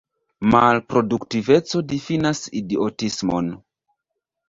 Malproduktiveco difinas idiotismon.